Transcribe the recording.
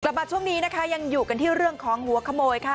มาช่วงนี้นะคะยังอยู่กันที่เรื่องของหัวขโมยค่ะ